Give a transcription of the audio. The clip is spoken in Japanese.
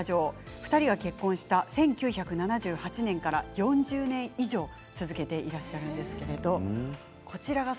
２人が結婚した１９７８年から４０年以上、続けていらっしゃるということなんです。